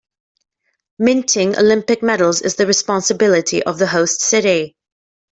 Minting Olympic medals is the responsibility of the host city.